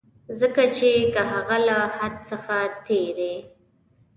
ځکه چي که هغه له حد څخه تېری.